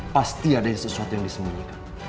pasti ada sesuatu yang disembunyikan